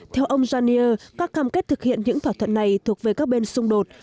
theo ông ghanier các cam kết thực hiện những thỏa thuận này thuộc về các bên xung đột